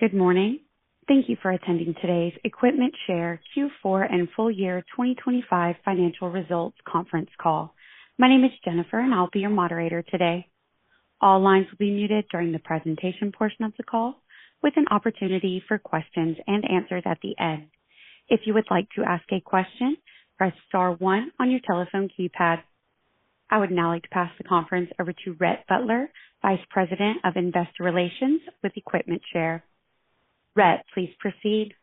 Good morning. Thank you for attending today's EquipmentShare Q4 and full year 2025 financial results conference call. My name is Jennifer, and I'll be your moderator today. All lines will be muted during the presentation portion of the call, with an opportunity for questions and answers at the end. If you would like to ask a question, press star one on your telephone keypad. I would now like to pass the conference over to Rhett Butler, Vice President of Investor Relations with EquipmentShare. Rhett, please proceed.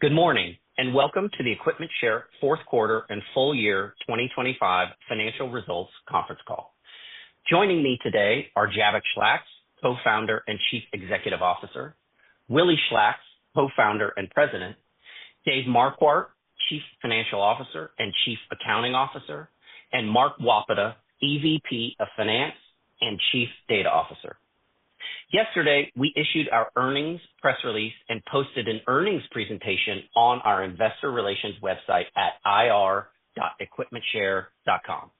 Good morning, and welcome to the EquipmentShare fourth quarter and full year 2025 financial results conference call. Joining me today are Jabbok Schlacks, Co-Founder and Chief Executive Officer. Willy Schlacks, Co-Founder and President. David Marquardt, Chief Financial Officer and Chief Accounting Officer, and Mark Wopata, EVP of Finance and Chief Data Officer. Yesterday, we issued our earnings press release and posted an earnings presentation on our investor relations website at ir.equipmentshare.com.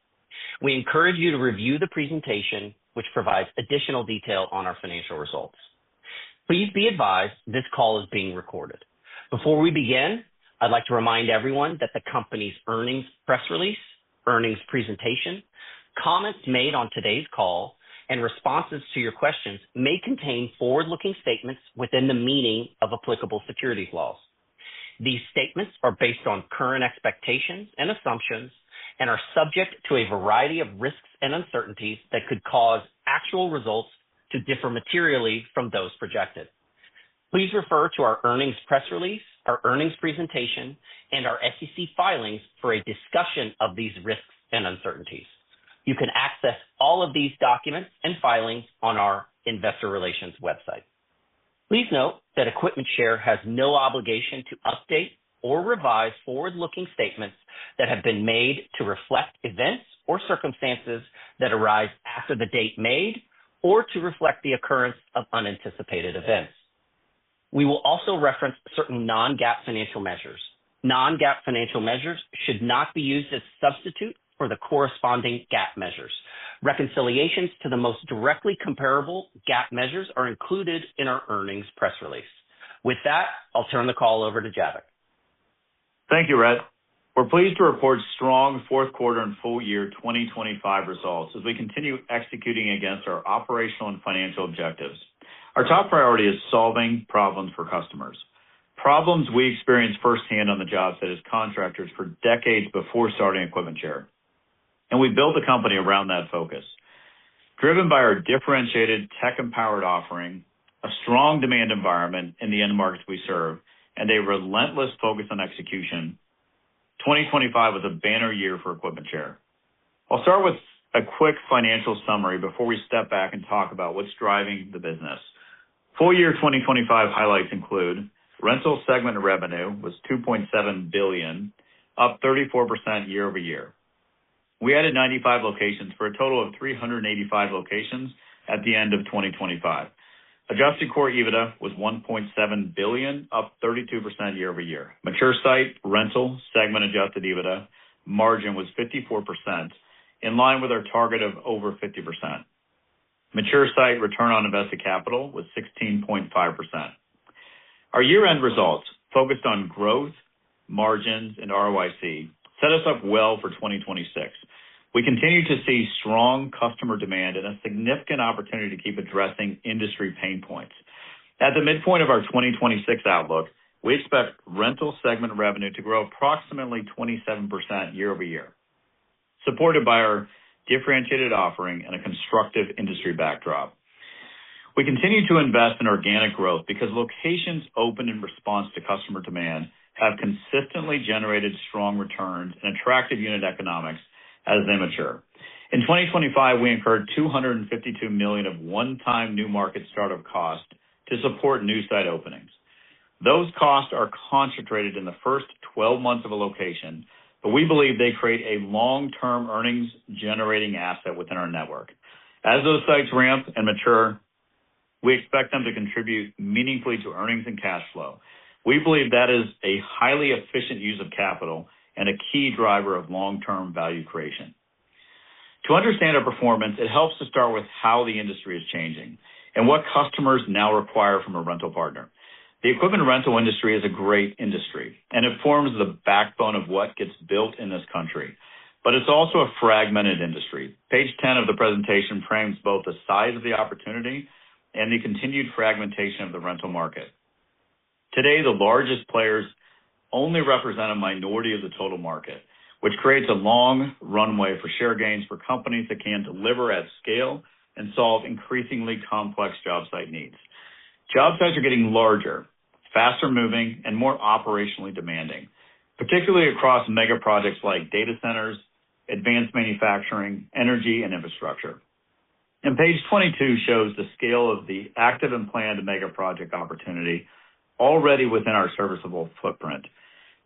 We encourage you to review the presentation, which provides additional detail on our financial results. Please be advised this call is being recorded. Before we begin, I'd like to remind everyone that the company's earnings press release, earnings presentation, comments made on today's call, and responses to your questions may contain forward-looking statements within the meaning of applicable securities laws. These statements are based on current expectations and assumptions and are subject to a variety of risks and uncertainties that could cause actual results to differ materially from those projected. Please refer to our earnings press release, our earnings presentation, and our SEC filings for a discussion of these risks and uncertainties. You can access all of these documents and filings on our investor relations website. Please note that EquipmentShare has no obligation to update or revise forward-looking statements that have been made to reflect events or circumstances that arise after the date made or to reflect the occurrence of unanticipated events. We will also reference certain non-GAAP financial measures. Non-GAAP financial measures should not be used as substitute for the corresponding GAAP measures. Reconciliations to the most directly comparable GAAP measures are included in our earnings press release. With that, I'll turn the call over to Jabbok. Thank you, Rhett. We're pleased to report strong fourth quarter and full year 2025 results as we continue executing against our operational and financial objectives. Our top priority is solving problems for customers, problems we experienced firsthand on the job site as contractors for decades before starting EquipmentShare, and we built the company around that focus. Driven by our differentiated tech-empowered offering, a strong demand environment in the end markets we serve, and a relentless focus on execution, 2025 was a banner year for EquipmentShare. I'll start with a quick financial summary before we step back and talk about what's driving the business. Full year 2025 highlights include rental segment revenue was $2.7 billion, up 34% year-over-year. We added 95 locations for a total of 385 locations at the end of 2025. Adjusted Core EBITDA was $1.7 billion, up 32% year-over-year. Mature site rental segment Adjusted EBITDA margin was 54%, in line with our target of over 50%. Mature site return on invested capital was 16.5%. Our year-end results focused on growth, margins, and ROIC set us up well for 2026. We continue to see strong customer demand and a significant opportunity to keep addressing industry pain points. At the midpoint of our 2026 outlook, we expect rental segment revenue to grow approximately 27% year-over-year, supported by our differentiated offering and a constructive industry backdrop. We continue to invest in organic growth because locations opened in response to customer demand have consistently generated strong returns and attractive unit economics as they mature. In 2025, we incurred $252 million of one-time new market start-up costs to support new site openings. Those costs are concentrated in the first 12 months of a location, but we believe they create a long-term earnings generating asset within our network. As those sites ramp and mature, we expect them to contribute meaningfully to earnings and cash flow. We believe that is a highly efficient use of capital and a key driver of long-term value creation. To understand our performance, it helps to start with how the industry is changing and what customers now require from a rental partner. The equipment rental industry is a great industry, and it forms the backbone of what gets built in this country, but it's also a fragmented industry. Page 10 of the presentation frames both the size of the opportunity and the continued fragmentation of the rental market. Today, the largest players only represent a minority of the total market, which creates a long runway for share gains for companies that can deliver at scale and solve increasingly complex job site needs. Job sites are getting larger, faster moving, and more operationally demanding, particularly across mega projects like data centers, advanced manufacturing, energy, and infrastructure. Page 22 shows the scale of the active and planned mega project opportunity already within our serviceable footprint.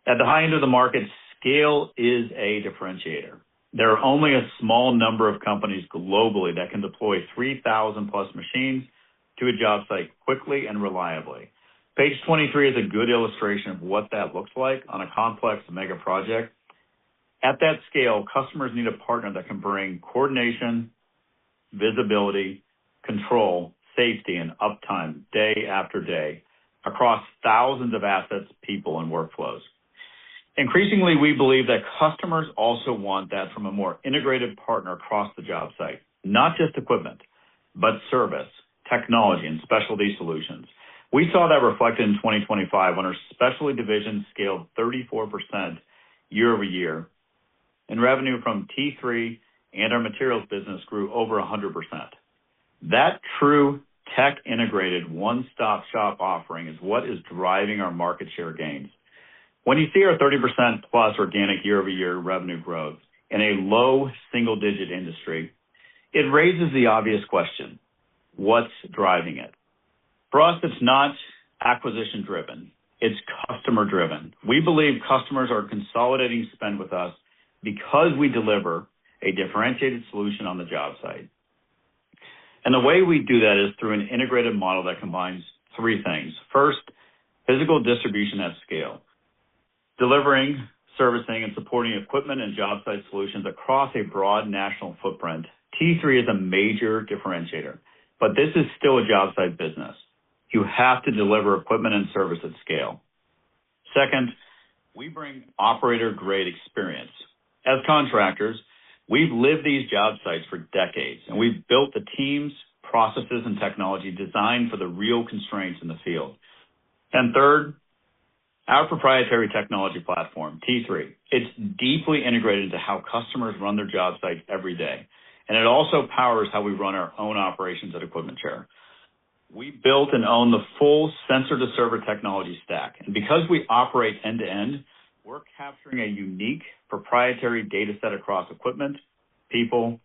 At the high end of the market, scale is a differentiator. There are only a small number of companies globally that can deploy 3,000+ machines to a job site quickly and reliably. Page 23 is a good illustration of what that looks like on a complex mega project. At that scale, customers need a partner that can bring coordination, visibility, control, safety, and uptime day after day across thousands of assets, people, and workflows. Increasingly, we believe that customers also want that from a more integrated partner across the job site. Not just equipment, but service, technology, and specialty solutions. We saw that reflected in 2025 when our specialty division scaled 34% year-over-year, and revenue from T3 and our materials business grew over 100%. That true tech-integrated one-stop-shop offering is what is driving our market share gains. When you see our 30%+ organic year-over-year revenue growth in a low single-digit industry, it raises the obvious question, what's driving it? For us, it's not acquisition-driven. It's customer-driven. We believe customers are consolidating spend with us because we deliver a differentiated solution on the job site. The way we do that is through an integrated model that combines three things. First, physical distribution at scale. Delivering, servicing, and supporting equipment and job site solutions across a broad national footprint. T3 is a major differentiator, but this is still a job site business. You have to deliver equipment and service at scale. Second, we bring operator-grade experience. As contractors, we've lived these job sites for decades, and we've built the teams, processes, and technology designed for the real constraints in the field. Third, our proprietary technology platform, T3. It's deeply integrated into how customers run their job site every day, and it also powers how we run our own operations at EquipmentShare. We built and own the full sensor to server technology stack. Because we operate end-to-end, we're capturing a unique proprietary data set across equipment, people,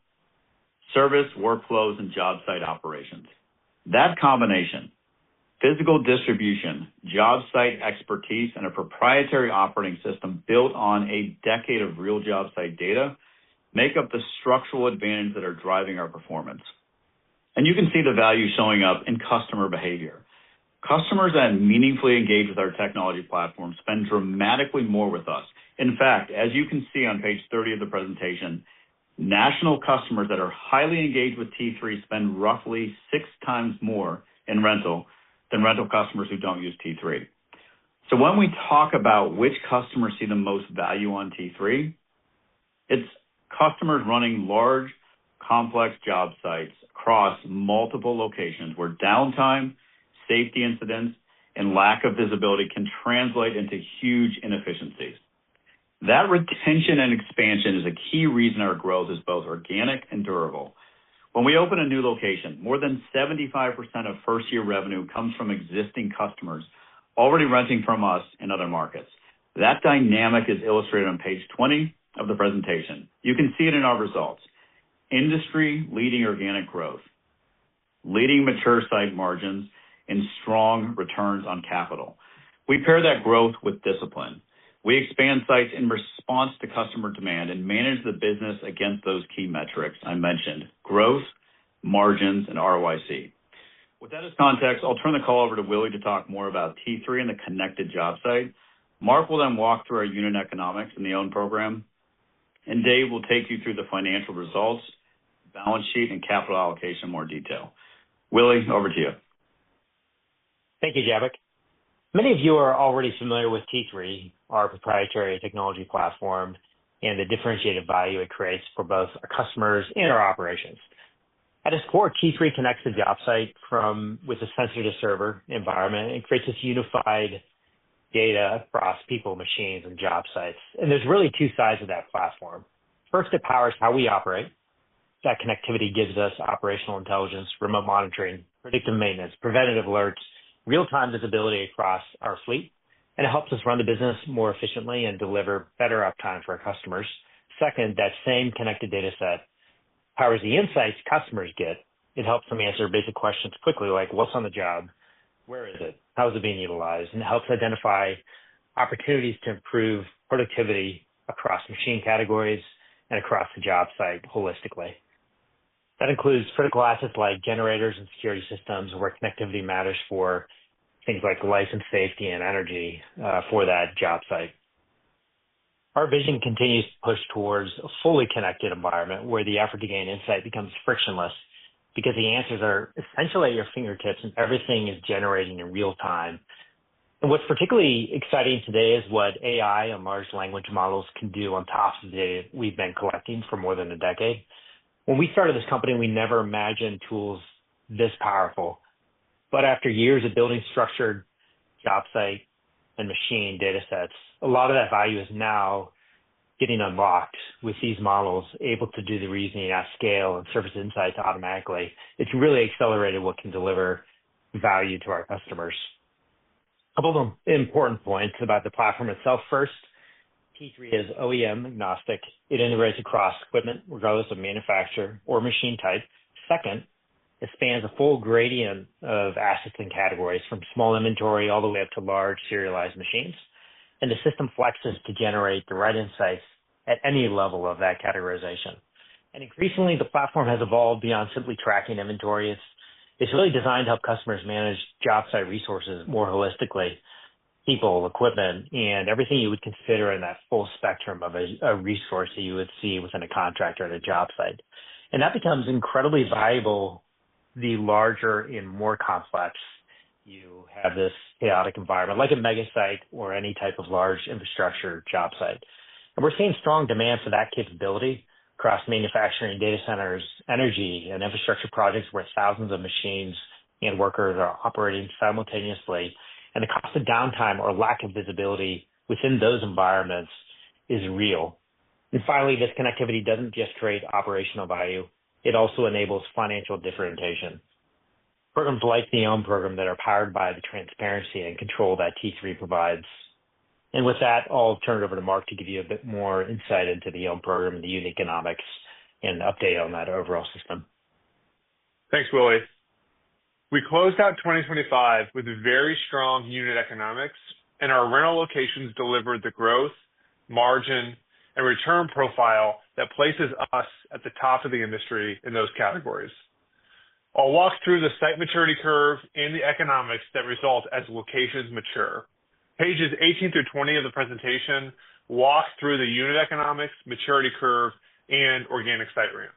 service, workflows, and job site operations. That combination, physical distribution, job site expertise, and a proprietary operating system built on a decade of real job site data, make up the structural advantage that are driving our performance. You can see the value showing up in customer behavior. Customers that meaningfully engage with our technology platform spend dramatically more with us. In fact, as you can see on page 30 of the presentation, national customers that are highly engaged with T3 spend roughly six times more in rental than rental customers who don't use T3. When we talk about which customers see the most value on T3, it's customers running large, complex job sites across multiple locations where downtime, safety incidents, and lack of visibility can translate into huge inefficiencies. That retention and expansion is a key reason our growth is both organic and durable. When we open a new location, more than 75% of first-year revenue comes from existing customers already renting from us in other markets. That dynamic is illustrated on page 20 of the presentation. You can see it in our results. Industry-leading organic growth, leading mature site margins, and strong returns on capital. We pair that growth with discipline. We expand sites in response to customer demand and manage the business against those key metrics I mentioned, growth, margins, and ROIC. With that as context, I'll turn the call over to Willy to talk more about T3 and the connected job site. Mark will then walk through our unit economics and the OWN Program, and Dave will take you through the financial results, balance sheet, and capital allocation in more detail. Willy, over to you. Thank you, Jabbok. Many of you are already familiar with T3, our proprietary technology platform, and the differentiated value it creates for both our customers and our operations. At its core, T3 connects the job site from within a sensor to server environment and creates this unified data across people, machines, and job sites. There's really two sides of that platform. First, it powers how we operate. That connectivity gives us operational intelligence, remote monitoring, predictive maintenance, preventative alerts, real-time visibility across our fleet, and it helps us run the business more efficiently and deliver better uptime for our customers. Second, that same connected data set powers the insights customers get. It helps them answer basic questions quickly, like what's on the job? Where is it? How is it being utilized? And it helps identify opportunities to improve productivity across machine categories and across the job site holistically. That includes critical assets like generators and security systems, where connectivity matters for things like life safety and energy for that job site. Our vision continues to push towards a fully connected environment where the effort to gain insight becomes frictionless because the answers are essentially at your fingertips and everything is generating in real time. What's particularly exciting today is what AI and large language models can do on top of the data we've been collecting for more than a decade. When we started this company, we never imagined tools this powerful. After years of building structured job site and machine datasets, a lot of that value is now getting unboxed with these models able to do the reasoning at scale and surface insights automatically. It's really accelerated what can deliver value to our customers. A couple of important points about the platform itself. First, T3 is OEM-agnostic. It integrates across equipment regardless of manufacturer or machine type. Second, it spans a full gradient of assets and categories, from small inventory all the way up to large serialized machines. The system flexes to generate the right insights at any level of that categorization. Increasingly, the platform has evolved beyond simply tracking inventory. It's really designed to help customers manage job site resources more holistically, people, equipment, and everything you would consider in that full spectrum of a resource that you would see within a contractor at a job site. That becomes incredibly valuable the larger and more complex you have this chaotic environment, like a mega site or any type of large infrastructure job site. We're seeing strong demand for that capability across manufacturing data centers, energy and infrastructure projects where thousands of machines and workers are operating simultaneously, and the cost of downtime or lack of visibility within those environments is real. Finally, this connectivity doesn't just create operational value, it also enables financial differentiation. Programs like the OWN Program that are powered by the transparency and control that T3 provides. With that, I'll turn it over to Mark Wopata to give you a bit more insight into the OWN Program, the unit economics and update on that overall system. Thanks, Willy. We closed out 2025 with a very strong unit economics, and our rental locations delivered the growth, margin, and return profile that places us at the top of the industry in those categories. I'll walk through the site maturity curve and the economics that result as locations mature. Pages 18 through 20 of the presentation walk through the unit economics, maturity curve, and organic site ramp.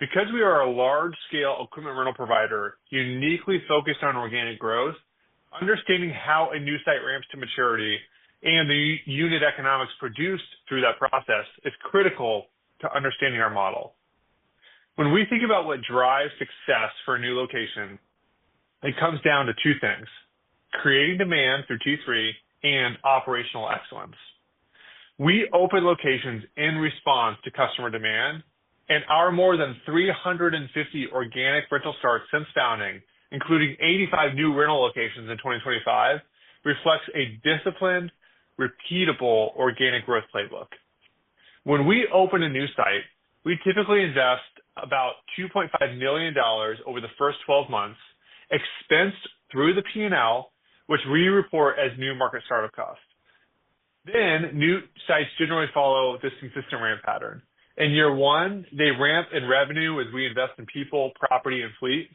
Because we are a large-scale equipment rental provider uniquely focused on organic growth, understanding how a new site ramps to maturity and the unit economics produced through that process is critical to understanding our model. When we think about what drives success for a new location, it comes down to two things, creating demand through T3 and operational excellence. We open locations in response to customer demand, and our more than 350 organic rental starts since founding, including 85 new rental locations in 2025, reflects a disciplined, repeatable organic growth playbook. When we open a new site, we typically invest about $2.5 million over the first 12 months, expensed through the P&L, which we report as new market start-up costs. New sites generally follow this consistent ramp pattern. In year one, they ramp in revenue as we invest in people, property and fleet.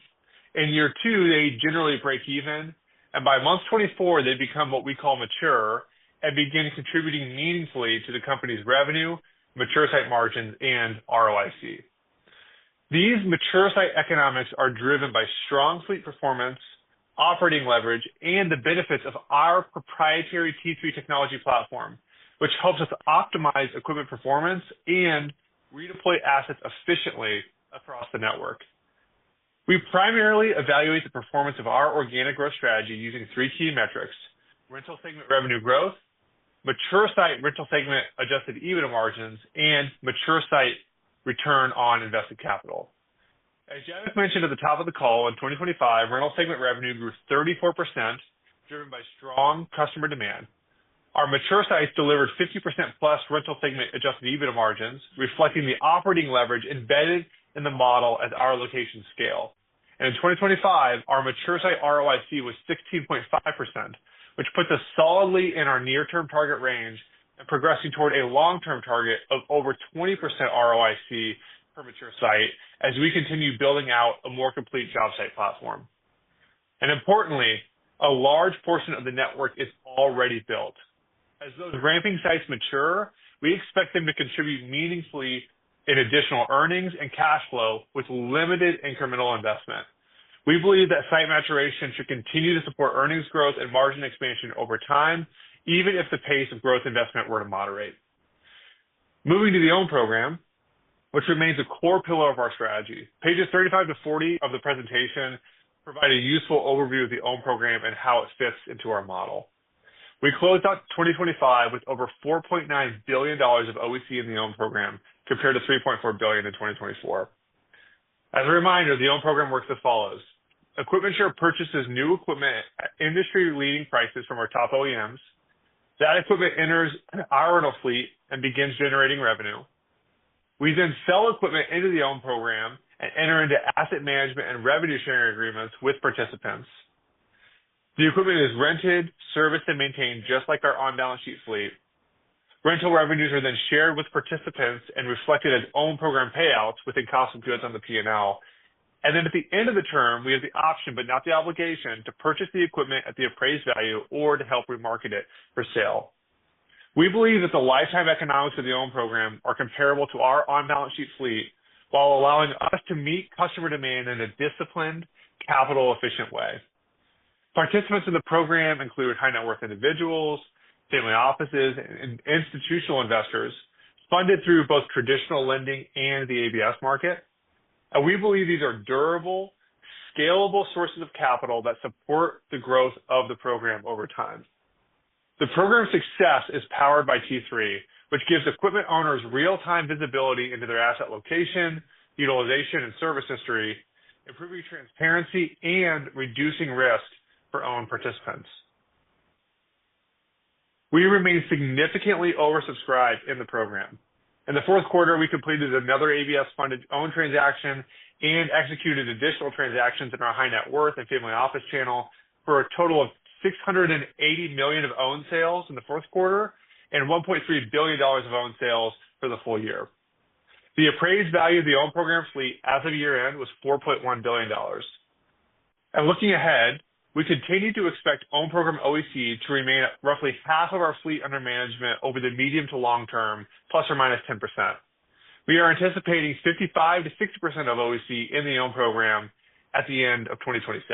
In year two, they generally break even, and by month 24, they become what we call mature and begin contributing meaningfully to the company's revenue, mature site margins, and ROIC. These mature site economics are driven by strong fleet performance, operating leverage, and the benefits of our proprietary T3 technology platform, which helps us optimize equipment performance and redeploy assets efficiently across the network. We primarily evaluate the performance of our organic growth strategy using three key metrics, rental segment revenue growth, mature site rental segment adjusted EBITDA margins, and mature site return on invested capital. As Jabbok Schlacks mentioned at the top of the call, in 2025, rental segment revenue grew 34%, driven by strong customer demand. Our mature sites delivered 50%+ rental segment adjusted EBITDA margins, reflecting the operating leverage embedded in the model as our locations scale. In 2025, our mature site ROIC was 16.5%, which puts us solidly in our near-term target range and progressing toward a long-term target of over 20% ROIC per mature site as we continue building out a more complete job site platform. Importantly, a large portion of the network is already built. As those ramping sites mature, we expect them to contribute meaningfully in additional earnings and cash flow with limited incremental investment. We believe that site maturation should continue to support earnings growth and margin expansion over time, even if the pace of growth investment were to moderate. Moving to the OWN Program, which remains a core pillar of our strategy. Pages 35 to 40 of the presentation provide a useful overview of the OWN Program and how it fits into our model. We closed out 2025 with over $4.9 billion of OEC in the OWN Program, compared to $3.4 billion in 2024. As a reminder, the OWN Program works as follows. EquipmentShare purchases new equipment at industry-leading prices from our top OEMs. That equipment enters our rental fleet and begins generating revenue. We then sell equipment into the OWN Program and enter into asset management and revenue sharing agreements with participants. The equipment is rented, serviced, and maintained just like our on-balance sheet fleet. Rental revenues are then shared with participants and reflected as OWN Program payouts within cost of goods on the P&L. At the end of the term, we have the option, but not the obligation, to purchase the equipment at the appraised value or to help remarket it for sale. We believe that the lifetime economics of the OWN Program are comparable to our on-balance sheet fleet, while allowing us to meet customer demand in a disciplined, capital-efficient way. Participants in the program include high-net-worth individuals, family offices, and institutional investors funded through both traditional lending and the ABS market. We believe these are durable, scalable sources of capital that support the growth of the program over time. The program's success is powered by T3, which gives equipment owners real-time visibility into their asset location, utilization, and service history, improving transparency and reducing risk for OWN participants. We remain significantly oversubscribed in the program. In the fourth quarter, we completed another ABS-funded OWN transaction and executed additional transactions in our high-net-worth and family office channel for a total of $680 million of OWN sales in the fourth quarter and $1.3 billion of OWN sales for the full year. The appraised value of the OWN program fleet as of year-end was $4.1 billion. Looking ahead, we continue to expect OWN Program OEC to remain at roughly half of our fleet under management over the medium to long term, plus or minus 10%. We are anticipating 55%-60% of OEC in the OWN Program at the end of 2026.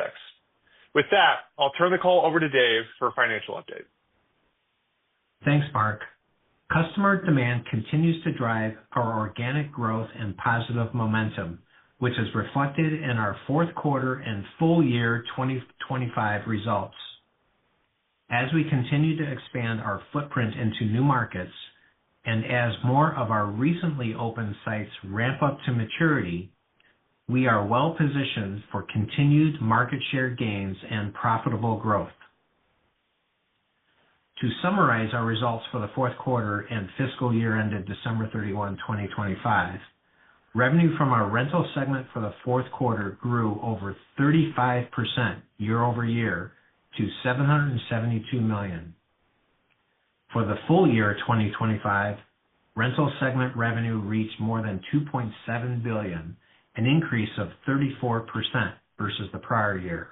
With that, I'll turn the call over to Dave for financial update. Thanks, Mark. Customer demand continues to drive our organic growth and positive momentum, which is reflected in our fourth quarter and full year 2025 results. As we continue to expand our footprint into new markets and as more of our recently opened sites ramp up to maturity, we are well-positioned for continued market share gains and profitable growth. To summarize our results for the fourth quarter and fiscal year ended December 31, 2025, revenue from our rental segment for the fourth quarter grew over 35% year-over-year to $772 million. For the full year 2025, rental segment revenue reached more than $2.7 billion, an increase of 34% versus the prior year.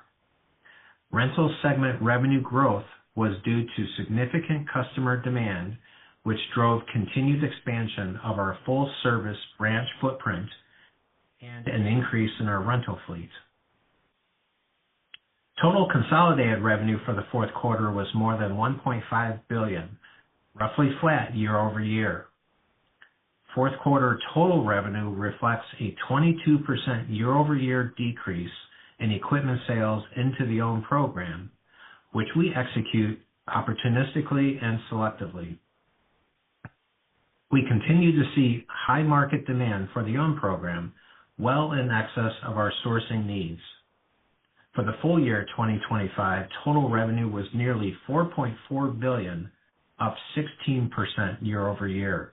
Rental segment revenue growth was due to significant customer demand, which drove continued expansion of our full service branch footprint and an increase in our rental fleet. Total consolidated revenue for the fourth quarter was more than $1.5 billion, roughly flat year-over-year. Fourth quarter total revenue reflects a 22% year-over-year decrease in equipment sales into the OWN Program, which we execute opportunistically and selectively. We continue to see high market demand for the OWN Program well in excess of our sourcing needs. For the full year 2025, total revenue was nearly $4.4 billion, up 16% year-over-year.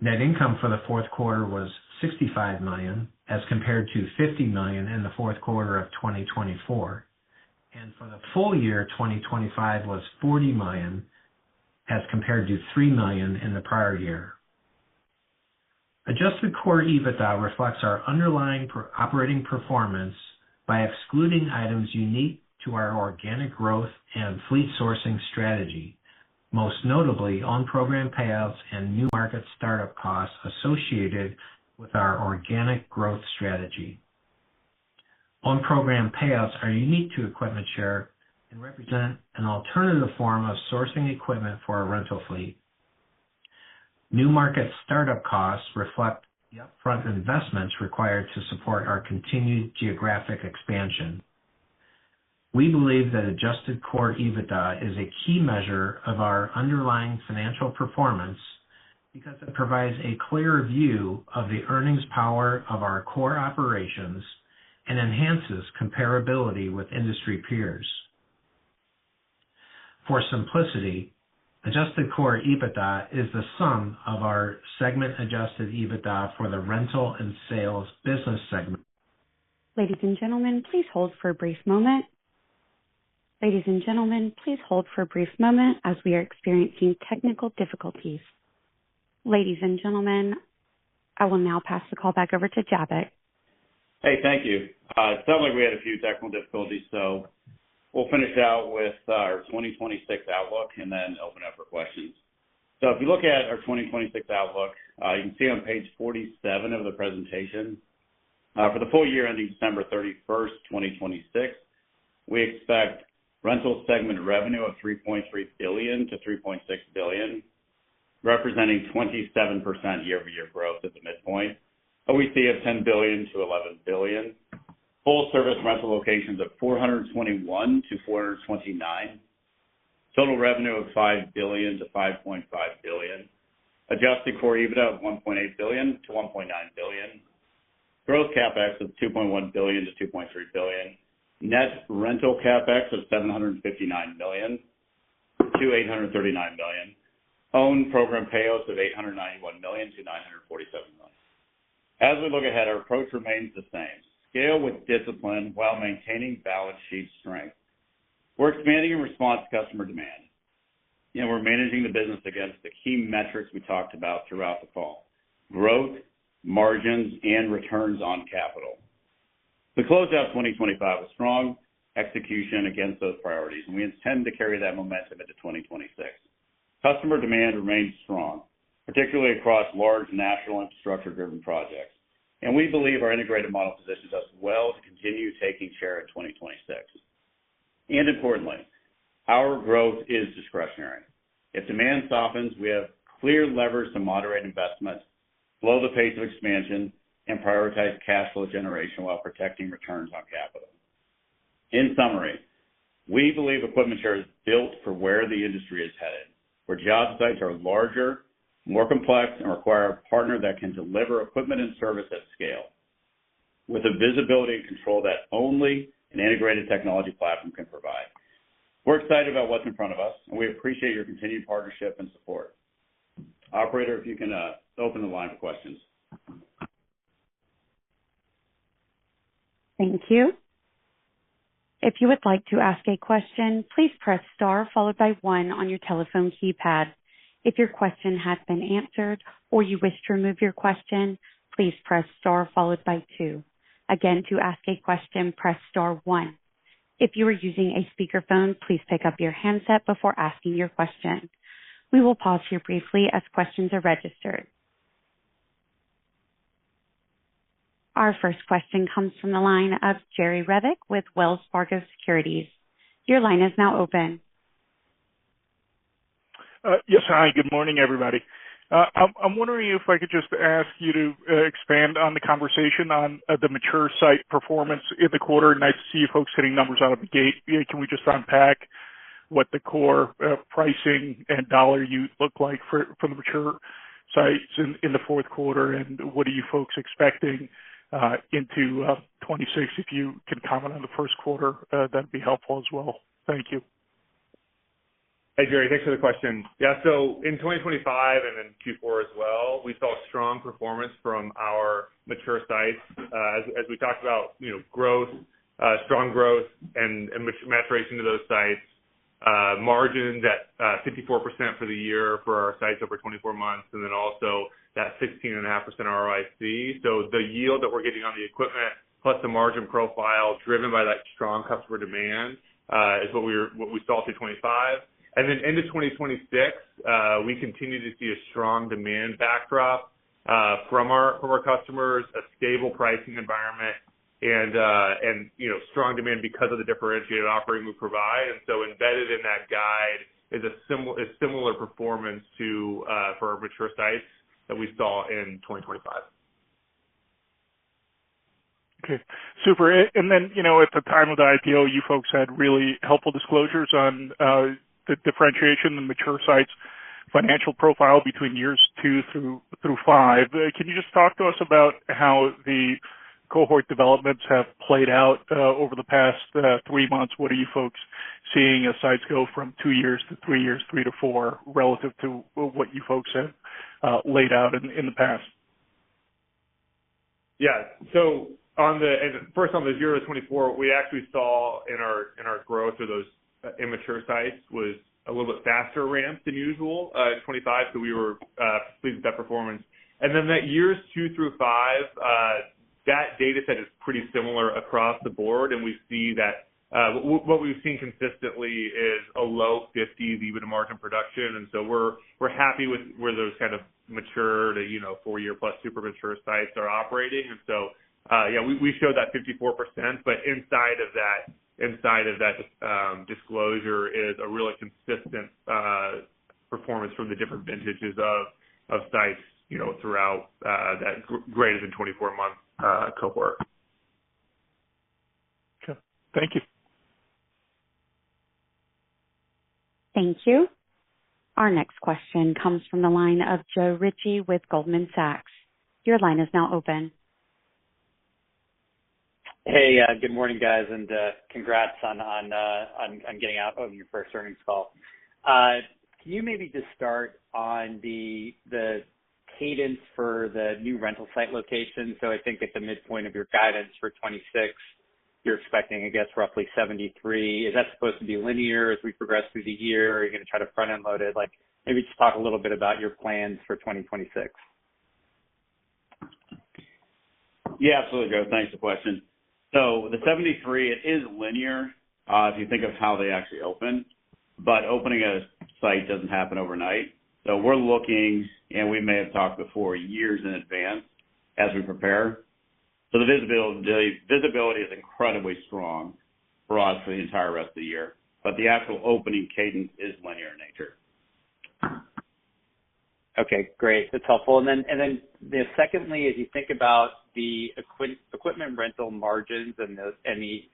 Net income for the fourth quarter was $65 million, as compared to $50 million in the fourth quarter of 2024. For the full year 2025 was $40 million, as compared to $3 million in the prior year. Adjusted Core EBITDA reflects our underlying operating performance by excluding items unique to our organic growth and fleet sourcing strategy, most notably OWN Program payouts and new market start-up costs associated with our organic growth strategy. OWN Program payouts are unique to EquipmentShare and represent an alternative form of sourcing equipment for our rental fleet. New market start-up costs reflect the upfront investments required to support our continued geographic expansion. We believe that Adjusted Core EBITDA is a key measure of our underlying financial performance because it provides a clear view of the earnings power of our core operations and enhances comparability with industry peers. For simplicity, Adjusted Core EBITDA is the sum of our segment adjusted EBITDA for the rental and sales business segment. Ladies and gentlemen, please hold for a brief moment. Ladies and gentlemen, please hold for a brief moment as we are experiencing technical difficulties. Ladies and gentlemen, I will now pass the call back over to Jabbok Schlacks. Hey, thank you. It sounds like we had a few technical difficulties, so we'll finish out with our 2026 outlook and then open up for questions. If you look at our 2026 outlook, you can see on page 47 of the presentation. For the full year ending December 31st, 2026, we expect rental segment revenue of $3.3 billion-$3.6 billion, representing 27% year-over-year growth at the midpoint. OEC of $10 billion-$11 billion. Full service rental locations of 421-429. Total revenue of $5 billion-$5.5 billion. Adjusted Core EBITDA of $1.8 billion-$1.9 billion. Gross CapEx of $2.1 billion-$2.3 billion. Net rental CapEx of $759 million-$839 million. OWN Program payouts of $891 million-$947 million. As we look ahead, our approach remains the same. Scale with discipline while maintaining balance sheet strength. We're expanding in response to customer demand, and we're managing the business against the key metrics we talked about throughout the call, growth, margins, and returns on capital. The closeout of 2025 was strong execution against those priorities, and we intend to carry that momentum into 2026. Customer demand remains strong, particularly across large national infrastructure-driven projects, and we believe our integrated model positions us well to continue taking share in 2026. Importantly, our growth is discretionary. If demand softens, we have clear levers to moderate investments, slow the pace of expansion, and prioritize cash flow generation while protecting returns on capital. In summary, we believe EquipmentShare is built for where the industry is headed, where job sites are larger, more complex, and require a partner that can deliver equipment and service at scale, with the visibility and control that only an integrated technology platform can provide. We're excited about what's in front of us, and we appreciate your continued partnership and support. Operator, if you can, open the line for questions. Thank you. If you would like to ask a question, please press star followed by one on your telephone keypad. If your question has been answered or you wish to remove your question, please press star followed by two. Again, to ask a question, press star one. If you are using a speakerphone, please pick up your handset before asking your question. We will pause here briefly as questions are registered. Our first question comes from the line of Jerry Revich with Wells Fargo Securities. Your line is now open. Yes. Hi, good morning, everybody. I'm wondering if I could just ask you to expand on the conversation on the mature site performance in the quarter.? Nice to see you folks hitting numbers out of the gate. Can we just unpack what the core pricing and dollar use look like for the mature sites in the fourth quarter? What are you folks expecting into 2026? If you can comment on the first quarter, that'd be helpful as well? Thank you. Hey, Jerry. Thanks for the question. Yeah. In 2025 and in Q4 as well, we saw strong performance from our mature sites. As we talked about, you know, growth, strong growth and maturation to those sites. Margins at 54% for the year for our sites over 24 months, and then also that 16.5% ROIC. The yield that we're getting on the equipment plus the margin profile driven by that strong customer demand is what we saw through 2025. Into 2026, we continue to see a strong demand backdrop from our customers, a stable pricing environment and, you know, strong demand because of the differentiated offering we provide. Embedded in that guide is similar performance to for our mature sites that we saw in 2025. Okay. Super. You know, at the time of the IPO, you folks had really helpful disclosures on the differentiation, the mature sites financial profile between years two through five. Can you just talk to us about how the cohort developments have played out over the past three months? What are you folks seeing as sites go from two years to three years, three to four, relative to what you folks have laid out in the past? Yeah. First, on the year of 2024, we actually saw that our growth of those immature sites was a little bit faster ramp than usual in 2025, so we were pleased with that performance. Then that years two through five, that data set is pretty similar across the board. We see that what we've seen consistently is a low 50s EBITDA margin production, and so we're happy with where those kind of mature to, you know, four-year-plus super mature sites are operating. Yeah, we showed that 54%, but inside of that disclosure is a really consistent performance from the different vintages of sites, you know, throughout that greater than 24-month cohort. Okay. Thank you. Thank you. Our next question comes from the line of Joe Ritchie with Goldman Sachs. Your line is now open. Hey, good morning, guys, and congrats on getting out on your first earnings call. Can you maybe just start on the cadence for the new rental site location? I think at the midpoint of your guidance for 2026, you're expecting, I guess, roughly 73%. Is that supposed to be linear as we progress through the year? Are you gonna try to front-end load it? Like, maybe just talk a little bit about your plans for 2026? Yeah, absolutely, Joe. Thanks for the question. The 73%, it is linear, if you think of how they actually open, but opening a site doesn't happen overnight. We're looking, and we may have talked before, years in advance as we prepare. The visibility is incredibly strong for us for the entire rest of the year, but the actual opening cadence is linear in nature. Okay, great. That's helpful. Then secondly, as you think about the equipment rental margins and those, any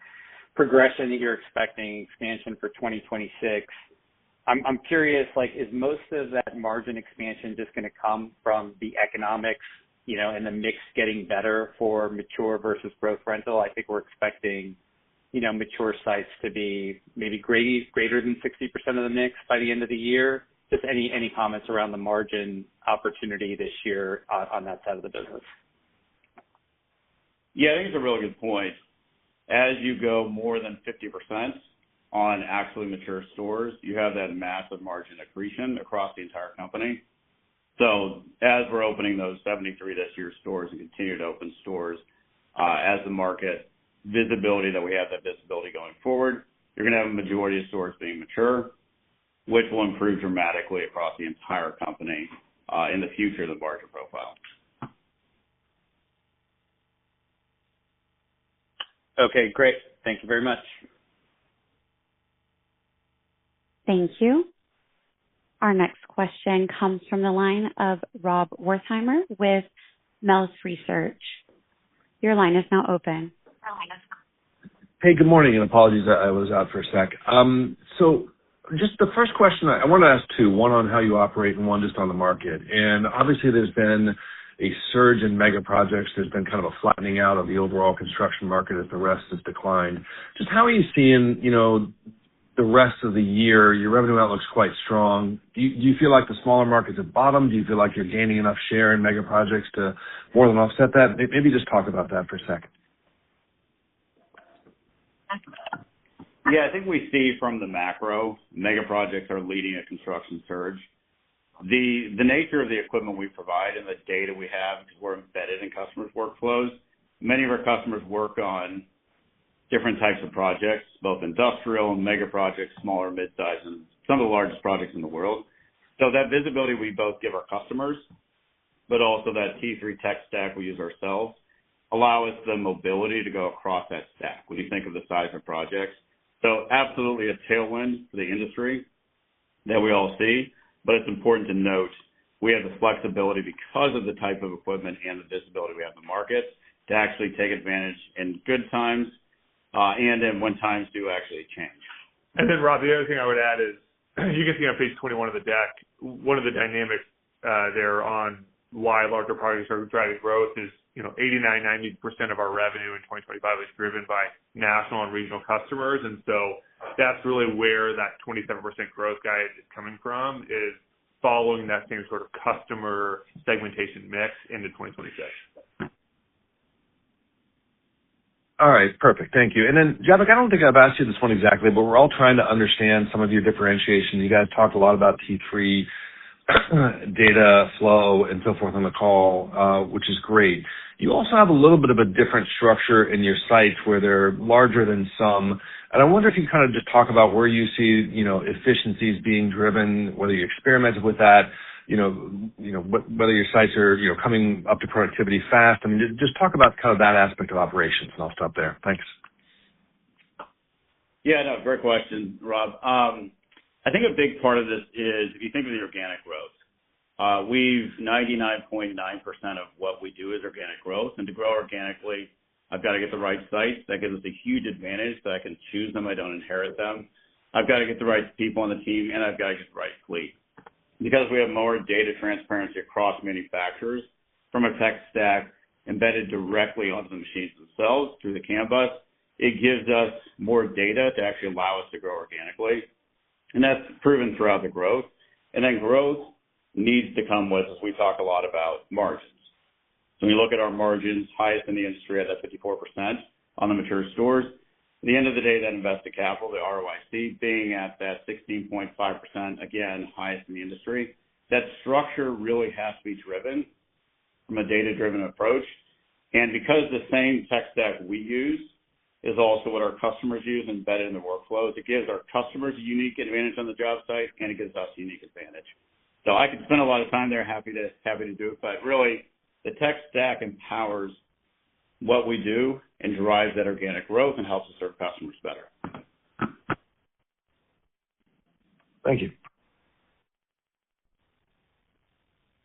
progression that you're expecting expansion for 2026, I'm curious, like, is most of that margin expansion just gonna come from the economics, you know, and the mix getting better for mature versus growth rental? I think we're expecting, you know, mature sites to be maybe greater than 60% of the mix by the end of the year. Just any comments around the margin opportunity this year on that side of the business. Yeah, I think it's a really good point. As you go more than 50% on actually mature stores, you have that massive margin accretion across the entire company. as we're opening those 73 this year stores and continue to open stores, as the market visibility that we have, that visibility going forward, you're gonna have a majority of stores being mature, which will improve dramatically across the entire company, in the future of the margin profile. Okay, great. Thank you very much. Thank you. Our next question comes from the line of Rob Wertheimer with Melius Research. Your line is now open. Hey, good morning, and apologies that I was out for a sec. So just the first question, I wanna ask two, one on how you operate and one just on the market? Obviously, there's been a surge in mega projects. There's been kind of a flattening out of the overall construction market as the rest has declined. Just how are you seeing, you know, the rest of the year, your revenue outlook's quite strong? Do you feel like the smaller markets have bottomed? Do you feel like you're gaining enough share in mega projects to more than offset that? Maybe just talk about that for a second? Yeah. I think we see from the macro, mega projects are leading a construction surge. The nature of the equipment we provide and the data we have, because we're embedded in customers' workflows, many of our customers work on different types of projects, both industrial and mega projects, smaller, mid-size, and some of the largest projects in the world. That visibility we both give our customers, but also that T3 tech stack we use ourselves, allow us the mobility to go across that stack when you think of the size of projects. Absolutely a tailwind to the industry that we all see. It's important to note we have the flexibility because of the type of equipment and the visibility we have in the market to actually take advantage in good times, and then when times do actually change. Rob, the other thing I would add is, you can see on page 21 of the deck, one of the dynamics there on why larger projects are driving growth is, 89%-90% of our revenue in 2025 is driven by national and regional customers. That's really where that 27% growth guide is coming from, is following that same sort of customer segmentation mix into 2026. All right. Perfect. Thank you. Then, Jabbok, I don't think I've asked you this one exactly, but we're all trying to understand some of your differentiation. You guys talked a lot about T3 data flow and so forth on the call, which is great. You also have a little bit of a different structure in your sites where they're larger than some. I wonder if you kind of just talk about where you see, you know, efficiencies being driven, whether you experimented with that, you know, whether your sites are, you know, coming up to productivity fast. I mean, just talk about kind of that aspect of operations, and I'll stop there? Thanks. Yeah, no. Great question, Rob. I think a big part of this is if you think of the organic growth, we've 99.9% of what we do is organic growth. To grow organically, I've got to get the right sites. That gives us a huge advantage that I can choose them, I don't inherit them. I've got to get the right people on the team, and I've got to get the right fleet. Because we have more data transparency across manufacturers from a tech stack embedded directly onto the machines themselves through the CAN bus, it gives us more data to actually allow us to grow organically, and that's proven throughout the growth. Then growth needs to come with, as we talk a lot about, margins. When we look at our margins, highest in the industry at that 54% on the mature stores. At the end of the day, that invested capital, the ROIC being at that 16.5%, again, highest in the industry. That structure really has to be driven from a data-driven approach. Because the same tech stack we use is also what our customers use embedded in their workflows, it gives our customers a unique advantage on the job site, and it gives us a unique advantage. I could spend a lot of time there, happy to do it, but really, the tech stack empowers what we do and drives that organic growth and helps us serve customers better. Thank you.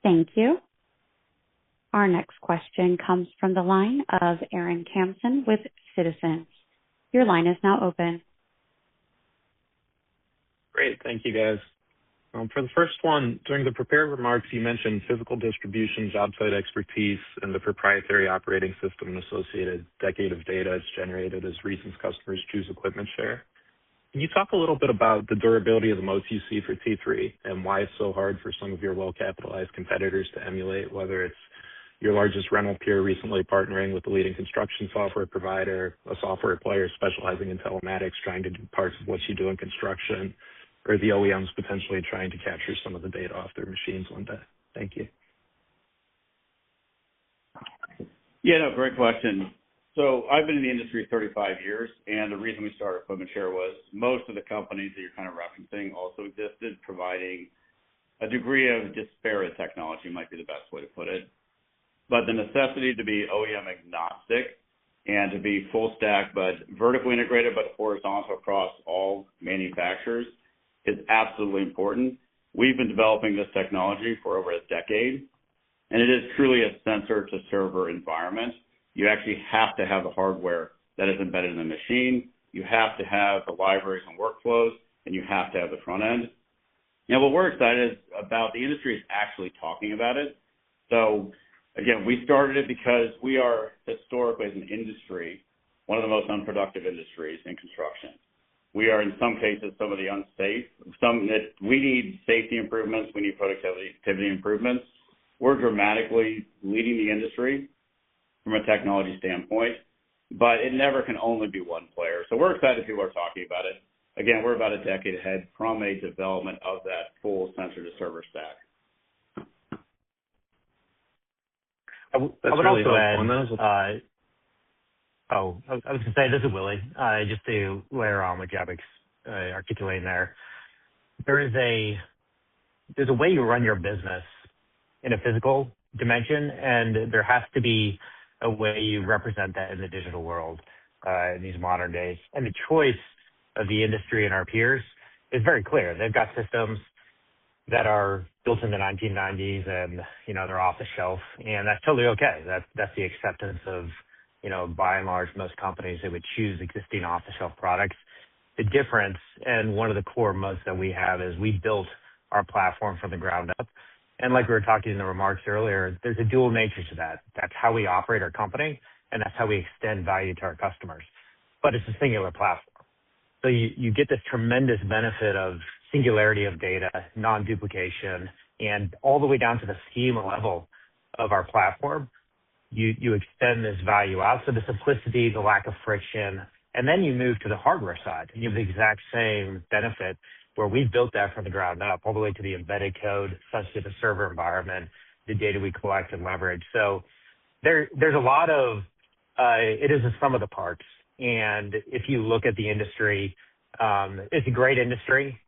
Thank you. Our next question comes from the line of Aaron Kamson with Citizens. Your line is now open. Great. Thank you, guys. For the first one, during the prepared remarks, you mentioned physical distribution, job site expertise, and the proprietary operating system associated decade of data is generated as recent customers choose EquipmentShare. Can you talk a little bit about the durability of the moats you see for T3 and why it's so hard for some of your well-capitalized competitors to emulate, whether it's your largest rental peer recently partnering with the leading construction software provider, a software player specializing in telematics, trying to do parts of what you do in construction or the OEMs potentially trying to capture some of the data off their machines one day? Thank you. Yeah. No, great question. I've been in the industry 35 years, and the reason we started EquipmentShare was most of the companies that you're kind of referencing also existed, providing a degree of disparate technology, might be the best way to put it. The necessity to be OEM-agnostic and to be full stack, but vertically integrated, but horizontal across all manufacturers is absolutely important. We've been developing this technology for over a decade, and it is truly a sensor-to-server environment. You actually have to have the hardware that is embedded in the machine, you have to have the libraries and workflows, and you have to have the front end. Now, what we're excited about. The industry is actually talking about it. Again, we started it because we are historically, as an industry, one of the most unproductive industries in construction. We are, in some cases, some of the unsafe. We need safety improvements. We need productivity improvements. We're dramatically leading the industry from a technology standpoint, but it never can only be one player. We're excited people are talking about it. Again, we're about a decade ahead of the development of that full sensor to server stack. I would also add. Oh, I was gonna say, this is Willy, just to layer on what Jabbok's articulating there. There is a way you run your business in a physical dimension, and there has to be a way you represent that in the digital world, in these modern days. The choice of the industry and our peers is very clear. They've got systems that are built in the 1990s and, you know, they're off-the-shelf, and that's totally okay. That's the acceptance of, you know, by and large, most companies, they would choose existing off-the-shelf products. The difference, and one of the core moats that we have, is we built our platform from the ground up. Like we were talking in the remarks earlier, there's a dual nature to that. That's how we operate our company, and that's how we extend value to our customers. It's a singular platform. You get this tremendous benefit of singularity of data, non-duplication, and all the way down to the schema level of our platform, you extend this value out. The simplicity, the lack of friction. You move to the hardware side, and you have the exact same benefit where we've built that from the ground up all the way to the embedded code, such as the server environment, the data we collect and leverage. There's a lot of it is a sum of the parts. If you look at the industry, it's a great industry.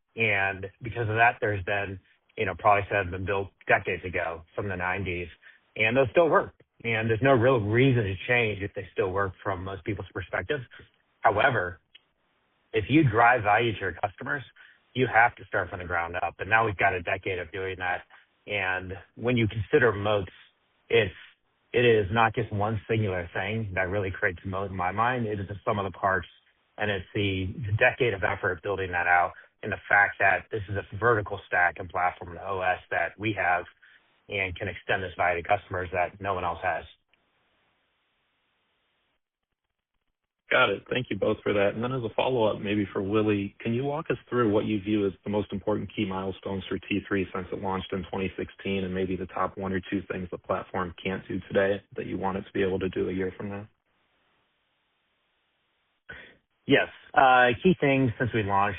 Because of that, there's been, you know, products that have been built decades ago, from the nineties, and they still work. There's no real reason to change if they still work from most people's perspective. However, if you drive value to your customers, you have to start from the ground up. Now we've got a decade of doing that. When you consider moats, if it is not just one singular thing that really creates a moat in my mind, it is the sum of the parts, and it's the decade of effort building that out and the fact that this is a vertical stack and platform, the OS that we have and can extend this value to customers that no one else has. Got it. Thank you both for that. As a follow-up, maybe for Willy, can you walk us through what you view as the most important key milestones for T3 since it launched in 2016 and maybe the top one or two things the platform can't do today that you want it to be able to do a year from now? Yes. Key things since we launched,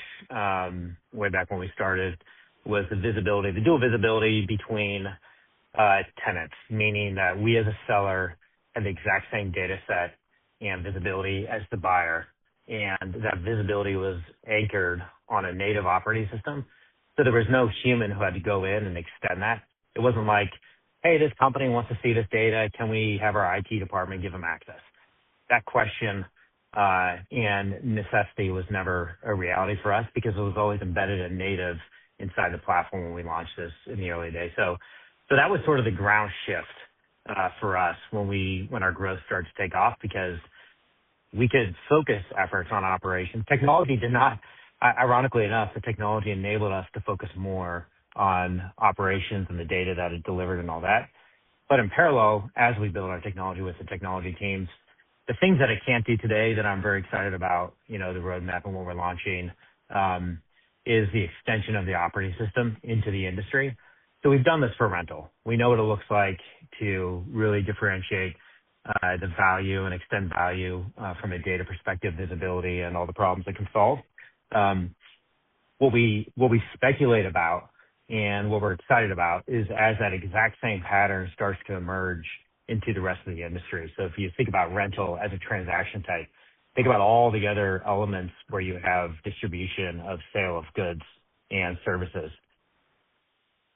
way back when we started was the visibility. The dual visibility between tenants, meaning that we as a seller have the exact same data set and visibility as the buyer. That visibility was anchored on a native operating system. There was no human who had to go in and extend that. It wasn't like, "Hey, this company wants to see this data. Can we have our IT department give them access?" That question and necessity was never a reality for us because it was always embedded in native inside the platform when we launched this in the early days. That was sort of the ground shift for us when our growth started to take off because we could focus efforts on operations. Technology did not. Ironically enough, the technology enabled us to focus more on operations and the data that it delivered and all that. In parallel, as we build our technology with the technology teams, the things that it can't do today that I'm very excited about, you know, the roadmap and what we're launching, is the extension of the operating system into the industry. We've done this for rental. We know what it looks like to really differentiate the value and extend value from a data perspective, visibility and all the problems it can solve. What we speculate about and what we're excited about is as that exact same pattern starts to emerge into the rest of the industry. If you think about rental as a transaction type, think about all the other elements where you have distribution of sale of goods and services.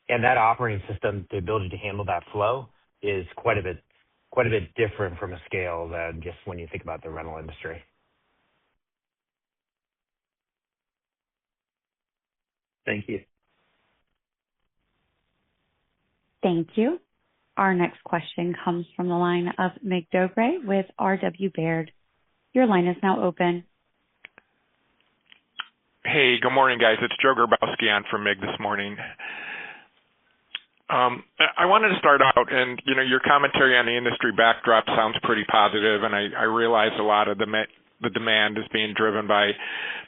That operating system, the ability to handle that flow is quite a bit different at scale than just when you think about the rental industry. Thank you. Thank you. Our next question comes from the line of Mig Dobre with RW Baird. Your line is now open. Hey, good morning, guys. It's Joseph Grabowski on for Mig this morning. I wanted to start out and, you know, your commentary on the industry backdrop sounds pretty positive, and I realize a lot of the demand is being driven by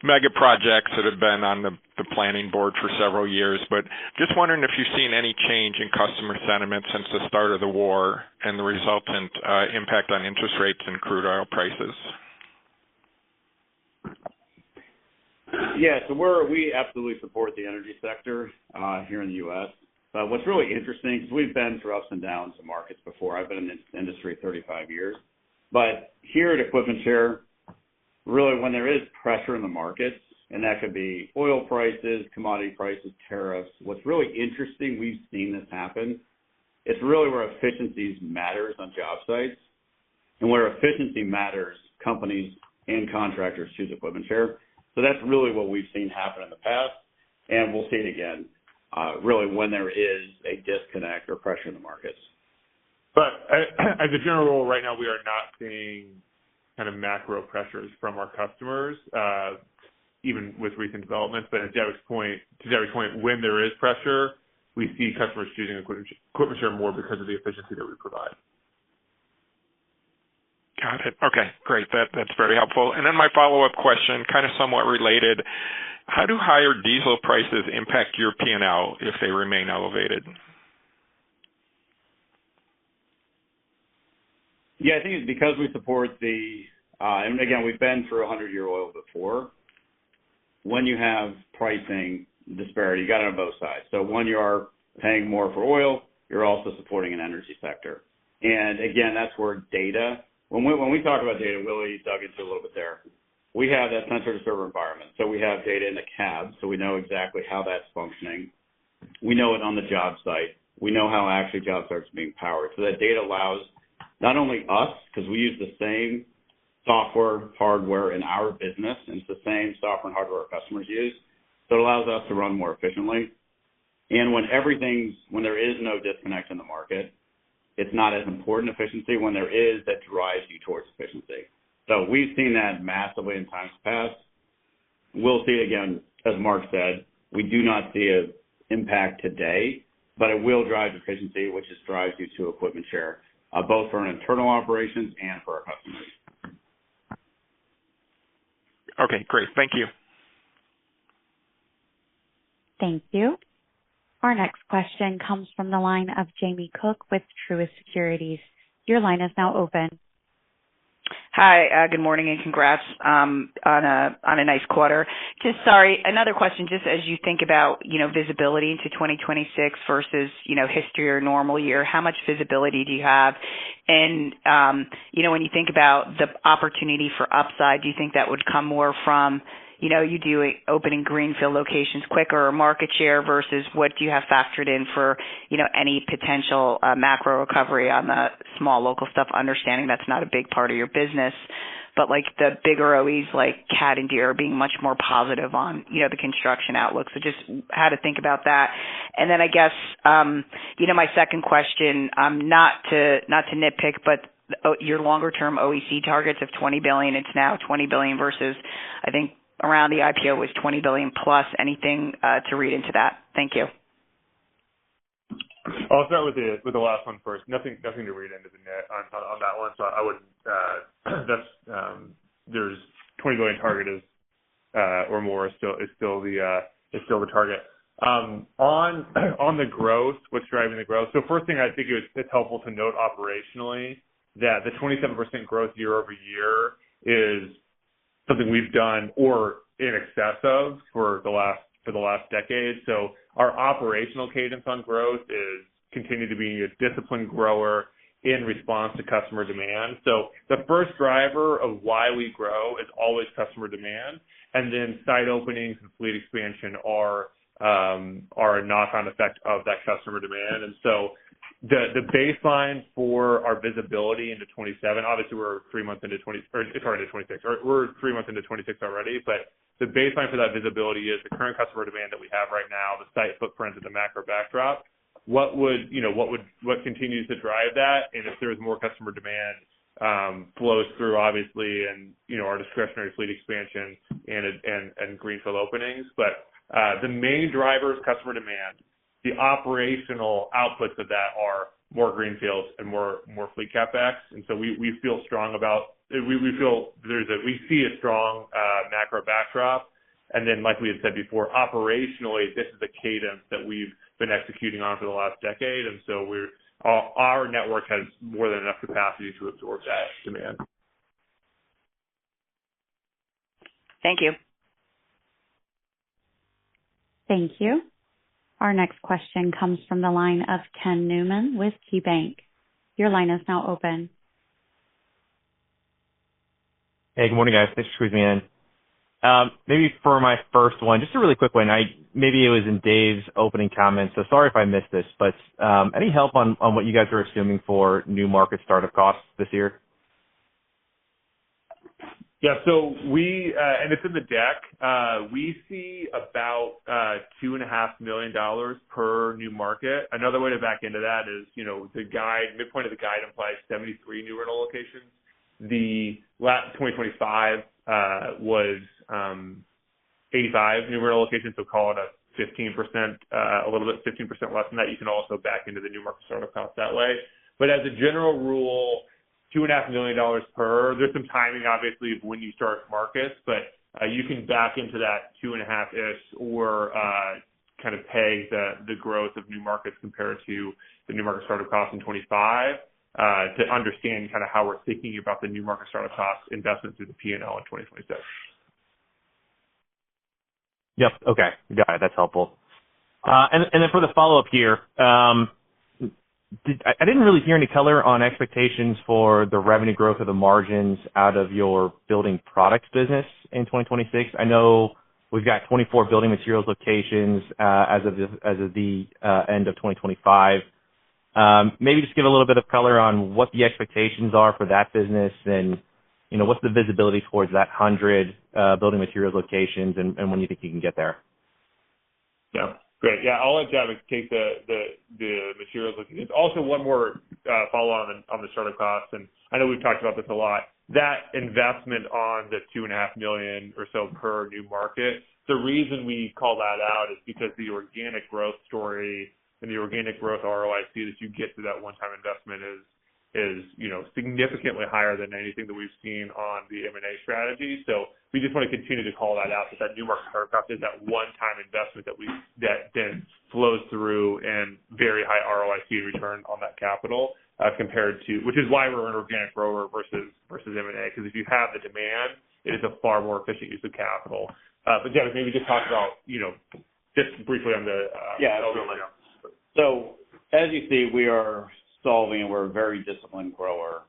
mega projects that have been on the planning board for several years, but just wondering if you've seen any change in customer sentiment since the start of the war and the resultant impact on interest rates and crude oil prices? Yeah. We absolutely support the energy sector here in the U.S. What's really interesting, because we've been through ups and downs in markets before. I've been in this industry 35 years. Here at EquipmentShare, really when there is pressure in the markets, and that could be oil prices, commodity prices, tariffs. What's really interesting, we've seen this happen. It's really where efficiencies matters on job sites. Where efficiency matters, companies and contractors choose EquipmentShare. That's really what we've seen happen in the past, and we'll see it again, really when there is a disconnect or pressure in the markets. As a general rule, right now, we are not seeing kind of macro pressures from our customers, even with recent developments. To Jabbok's point, when there is pressure, we see customers choosing EquipmentShare more because of the efficiency that we provide. Got it. Okay, great. That's very helpful. My follow-up question, kind of somewhat related: How do higher diesel prices impact your P&L if they remain elevated? Yeah. I think it's because we support the. Again, we've been through a hundred-year oil before. When you have pricing disparity, you got it on both sides. One, you are paying more for oil, you're also supporting an energy sector. Again, that's where data. When we talk about data, Willy dug into a little bit there. We have that sensor to server environment. We have data in the cab, so we know exactly how that's functioning. We know it on the job site. We know how actually job site is being powered. That data allows not only us, 'cause we use the same software, hardware in our business, and it's the same software and hardware our customers use, so it allows us to run more efficiently. When there is no disconnect in the market, it's not as important efficiency. When there is, that drives you towards efficiency. We've seen that massively in times past. We'll see it again. As Mark said, we do not see an impact today. It will drive efficiency, which just drives you to EquipmentShare, both for our internal operations and for our customers. Okay, great. Thank you. Thank you. Our next question comes from the line of Jamie Cook with Truist Securities. Your line is now open. Hi, good morning and congrats on a nice quarter. Just sorry, another question. Just as you think about, you know, visibility into 2026 versus, you know, history or normal year, how much visibility do you have? When you think about the opportunity for upside, do you think that would come more from, you know, you do opening greenfield locations quicker or market share versus what do you have factored in for, you know, any potential macro recovery on the small local stuff? Understanding that's not a big part of your business, but like the bigger OEMs like Cat and Deere being much more positive on, you know, the construction outlook. Just how to think about that? I guess, you know, my second question, not to nitpick, but your longer term OEC targets of $20 billion, it's now $20 billion versus, I think around the IPO was $20 billion plus. Anything to read into that? Thank you. I'll start with the last one first. Nothing to read into on that one. That's, there's $20 billion target or more still. It's still the target. On the growth, what's driving the growth. First thing I think it's helpful to note operationally that the 27% growth year-over-year is something we've done or in excess of for the last decade. Our operational cadence on growth is continue to be a disciplined grower in response to customer demand. The first driver of why we grow is always customer demand. Then site openings and fleet expansion are a knock-on effect of that customer demand. The baseline for our visibility into 2027, obviously we're three months into 2026. We're three months into 2026 already. The baseline for that visibility is the current customer demand that we have right now, the site footprint of the macro backdrop. What continues to drive that? If there is more customer demand, it flows through obviously and, you know, our discretionary fleet expansion and greenfield openings. The main driver is customer demand. The operational outputs of that are more greenfields and more fleet CapEx. We feel strong about. We feel there's a. We see a strong macro backdrop. Like we had said before, operationally this is a cadence that we've been executing on for the last decade. Our network has more than enough capacity to absorb that demand. Thank you. Thank you. Our next question comes from the line of Ken Newman with KeyBanc. Your line is now open. Hey, good morning, guys. Thanks for squeezing me in. Maybe for my first one, just a really quick one. I maybe it was in Dave's opening comments, so sorry if I missed this. Any help on what you guys are assuming for new market start-up costs this year? Yeah, it's in the deck. We see about $2.5 million per new market. Another way to back into that is, you know, the midpoint of the guide implies 73 new rental locations. The last 2025 was 85 new rental locations. Call it a 15%, a little bit, 15% less than that. You can also back into the new market start-up costs that way. As a general rule, $2.5 million per. There's some timing obviously of when you start markets, but you can back into that 2.5-ish or kind of the growth of new markets compared to the new market start-up costs in 2025 to understand kind of how we're thinking about the new market start-up costs invested through the P&L in 2026. Yep. Okay. Got it. That's helpful. Then for the follow-up here, I didn't really hear any color on expectations for the revenue growth or the margins out of your building products business in 2026. I know we've got 24 building materials locations as of the end of 2025. Maybe just give a little bit of color on what the expectations are for that business and, you know, what's the visibility towards that 100 building materials locations and when you think you can get there. Yeah. Great. Yeah, I'll let Jabbok Schlacks take the materials location. Also one more follow on the startup costs, and I know we've talked about this a lot. That investment of the $2.5 million or so per new market, the reason we call that out is because the organic growth story and the organic growth ROIC that you get to that one-time investment is, you know, significantly higher than anything that we've seen on the M&A strategy. We just want to continue to call that out, that new market start-up is that one-time investment that then flows through and very high ROIC return on that capital, compared to. Which is why we're an organic grower versus M&A, because if you have the demand, it is a far more efficient use of capital. Jabbok, maybe just talk about, you know, just briefly on the Yeah. As you see, we are solving and we're a very disciplined grower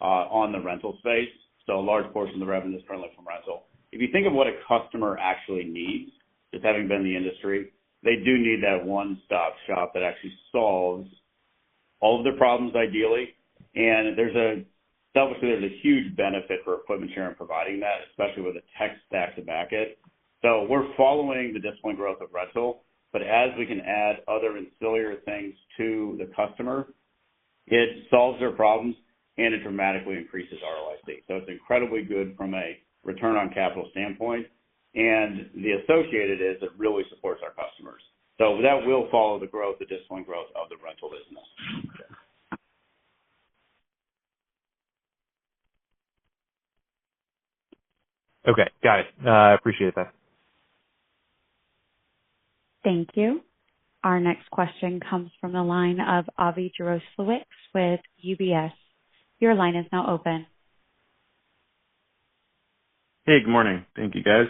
on the rental space. A large portion of the revenue is currently from rental. If you think of what a customer actually needs, just having been in the industry, they do need that one-stop shop that actually solves all of their problems, ideally. There's definitely a huge benefit for EquipmentShare providing that, especially with a tech stack to back it. We're following the disciplined growth of rental, but as we can add other ancillary things to the customer. It solves their problems, and it dramatically increases ROIC. It's incredibly good from a return on capital standpoint. The associated is it really supports our customers. That will follow the growth, the disciplined growth of the rental business. Okay. Got it. I appreciate that. Thank you. Our next question comes from the line of Avi Jaroslawicz with UBS. Your line is now open. Hey, good morning. Thank you, guys.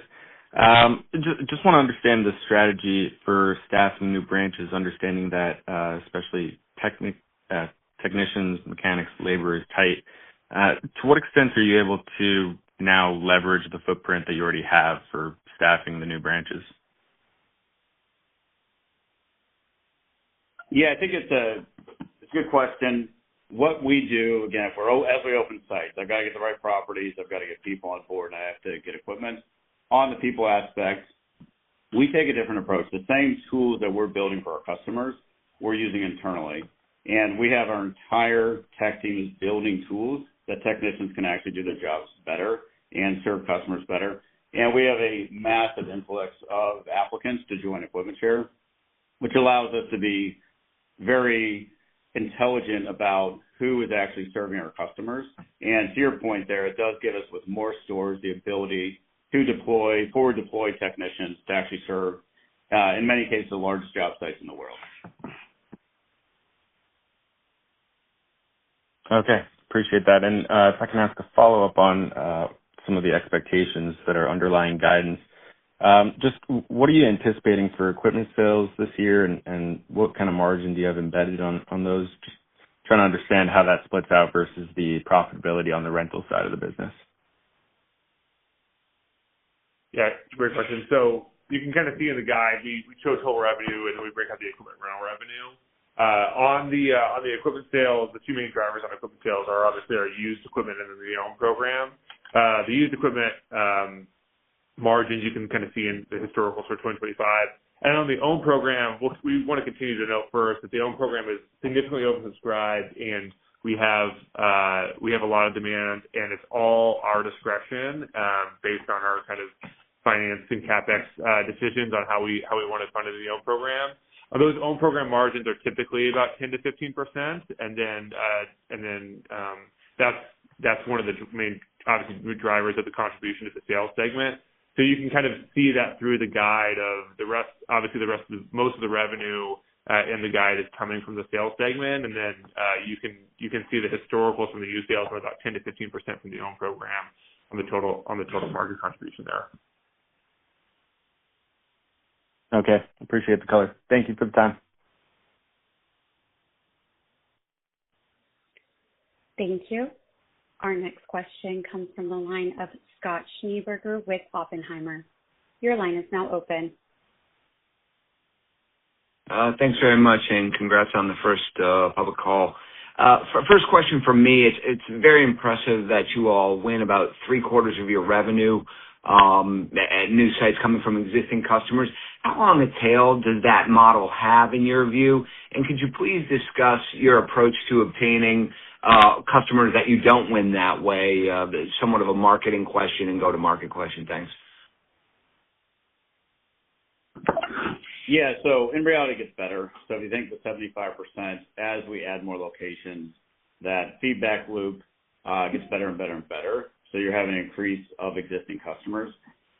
Just wanna understand the strategy for staffing new branches, understanding that, especially technicians, mechanics, labor is tight? To what extent are you able to now leverage the footprint that you already have for staffing the new branches? Yeah, I think it's a good question. What we do, again, as we open sites, I've gotta get the right properties, I've gotta get people on board, and I have to get equipment. On the people aspect, we take a different approach. The same tools that we're building for our customers, we're using internally. We have our entire tech teams building tools that technicians can actually do their jobs better and serve customers better. We have a massive influx of applicants to join EquipmentShare, which allows us to be very intelligent about who is actually serving our customers. To your point there, it does give us, with more stores, the ability to forward deploy technicians to actually serve, in many cases, the largest job sites in the world. Okay. Appreciate that. If I can ask a follow-up on some of the expectations that are underlying guidance. Just what are you anticipating for equipment sales this year, and what kind of margin do you have embedded on those? Just trying to understand how that splits out versus the profitability on the rental side of the business? Yeah. Great question. You can kinda see in the guide, we chose total revenue, and then we break out the equipment rental revenue. On the equipment sales, the two main drivers on equipment sales are obviously our used equipment and the OWN Program. The used equipment margins you can kinda see in the historical for 2025. On the OWN Program, what we wanna continue to note first that the OWN Program is significantly oversubscribed, and we have a lot of demand, and it's all our discretion, based on our kind of finance and CapEx decisions on how we wanna fund the OWN Program. Those OWN Program margins are typically about 10%-15%. That's one of the two main, obviously, the drivers of the contribution to the sales segment. You can kind of see that through the guide of the rest obviously the rest of the most of the revenue in the guide is coming from the sales segment. You can see the historicals from the used sales are about 10%-15% from the OWN Program on the total margin contribution there. Okay. Appreciate the color. Thank you for the time. Thank you. Our next question comes from the line of Scott Schneeberger with Oppenheimer. Your line is now open. Thanks very much, and congrats on the first public call. First question from me. It's very impressive that you all win about 3/4 of your revenue and new sites coming from existing customers. How long a tail does that model have in your view? Could you please discuss your approach to obtaining customers that you don't win that way? Somewhat of a marketing question and go-to-market question. Thanks. Yeah. In reality, it gets better. If you think the 75%, as we add more locations, that feedback loop gets better and better and better, so you're having an increase of existing customers.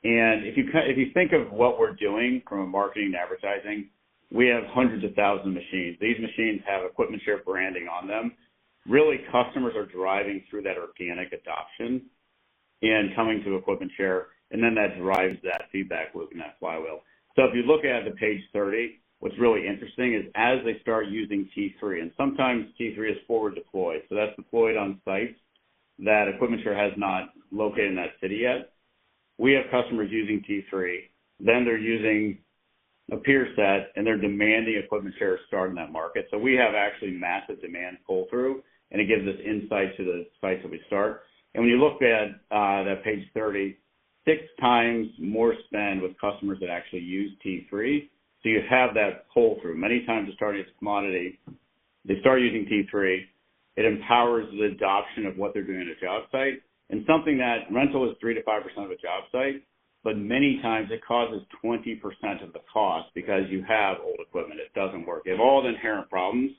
If you think of what we're doing from a marketing and advertising, we have hundreds of thousand machines. These machines have EquipmentShare branding on them. Really, customers are driving through that organic adoption and coming to EquipmentShare, and then that drives that feedback loop and that flywheel. If you look at page 30, what's really interesting is as they start using T3, and sometimes T3 is forward deployed, so that's deployed on sites that EquipmentShare has not located in that city yet. We have customers using T3. Then they're using a peer set, and they're demanding EquipmentShare to start in that market. We have actually massive demand pull-through, and it gives us insight to the sites that we start. When you look at that page 30, six times more spend with customers that actually use T3. You have that pull-through. Many times they start as commodity. They start using T3. It empowers the adoption of what they're doing at a job site. Something that rental is 3%-5% of a job site, but many times it causes 20% of the cost because you have old equipment. It doesn't work. You have all the inherent problems.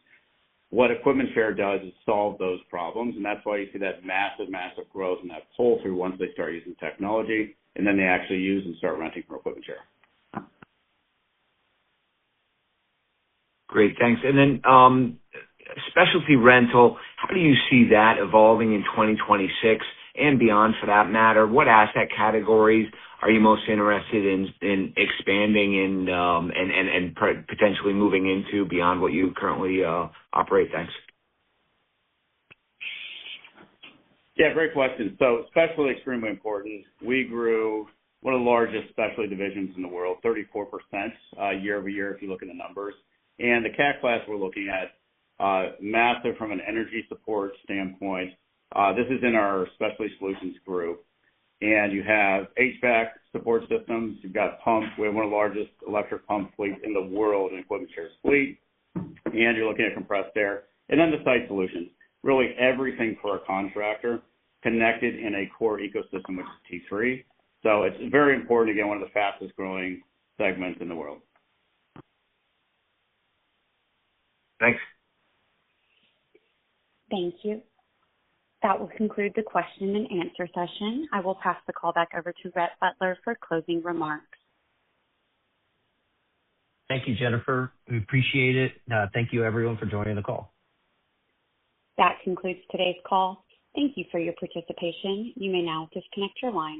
What EquipmentShare does is solve those problems, and that's why you see that massive growth and that pull-through once they start using technology, and then they actually use and start renting from EquipmentShare. Great. Thanks. Specialty rental, how do you see that evolving in 2026 and beyond for that matter? What asset categories are you most interested in expanding and potentially moving into beyond what you currently operate? Thanks. Yeah, great question. Specialty is extremely important. We grew one of the largest specialty divisions in the world, 34%, year-over-year if you look in the numbers. The Cat Class we're looking at massive from an energy support standpoint. This is in our specialty solutions group. You have HVAC support systems. You've got pumps. We have one of the largest electric pump fleet in the world in EquipmentShare's fleet. You're looking at compressed air. Then the site solutions. Really everything for a contractor connected in a core ecosystem, which is T3. It's very important. Again, one of the fastest-growing segments in the world. Thanks. Thank you. That will conclude the question and answer session. I will pass the call back over to Rhett Butler for closing remarks. Thank you, Jennifer. We appreciate it. Thank you everyone for joining the call. That concludes today's call. Thank you for your participation. You may now disconnect your line.